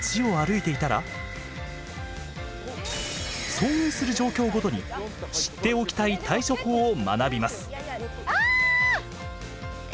遭遇する状況ごとに知っておきたい対処法を学びます。